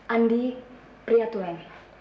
andi pria tuhan